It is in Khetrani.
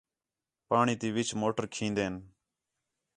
پاݨی تی وِچ موٹر کھندیں